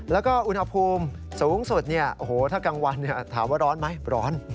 แล้วก็อุณหภูมิสูงสุดถ้ากลางวันถามว่าร้อนไหมร้อน